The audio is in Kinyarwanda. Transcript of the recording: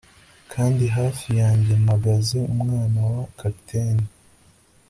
Kandi hafi yanjye mpagaze umwana wa capitaine